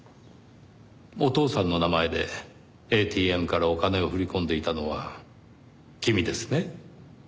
お父さんの名前でＡＴＭからお金を振り込んでいたのは君ですね？